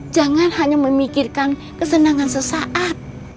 jangan hanya memikirkan kesenangan sesaat